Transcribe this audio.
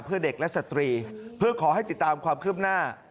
เพื่อเด็กและสตรีเพื่อขอให้ติดตามความคืบหน้า